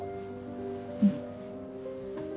うん。